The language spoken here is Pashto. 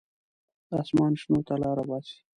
د اسمان شنو ته لاره باسي.